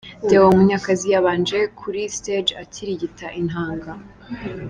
Deo Munyakazi yabanje kuri stage akirigita inanga.